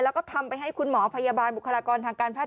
แล้วก็ทำไปให้คุณหมอพยาบาลบุคลากรทางการแพทย